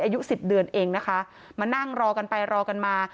อายุสิบเดือนเองนะคะมานั่งรอกันไปรอกันมา